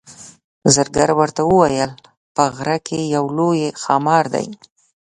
زرګر ورته وویل په غره کې یو لوی ښامار دی.